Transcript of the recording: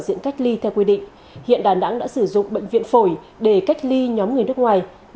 diện cách ly theo quy định hiện đà nẵng đã sử dụng bệnh viện phổi để cách ly nhóm người nước ngoài năm mươi tám